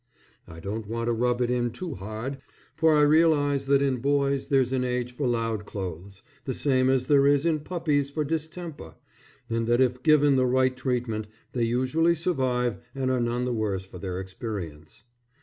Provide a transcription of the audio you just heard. I don't want to rub it in too hard, for I realize that in boys there's an age for loud clothes, the same as there is in puppies for distemper, and that if given the right treatment they usually survive and are none the worse for their experience.